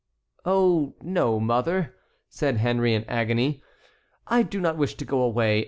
"Oh, no, mother," said Henry in agony, "I do not wish to go away.